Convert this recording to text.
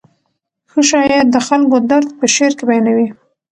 ښه شاعر د خلکو درد په شعر کې بیانوي.